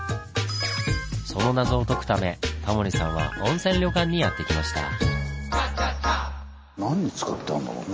その謎を解くためタモリさんは温泉旅館にやって来ました。